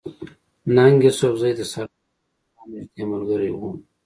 ننګ يوسفزۍ د سردار داود خان نزدې ملګری وو